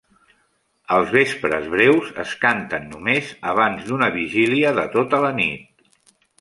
Els vespres breus es canten només abans d'una vigília de tota la nit.